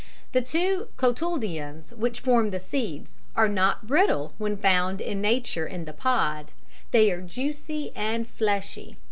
The two cotyledons, which form the seed, are not brittle when found in nature in the pod. They are juicy and fleshy.